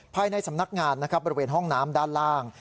ภายในสำนักงานนะครับบริเวณห้องน้ำด้านล่าง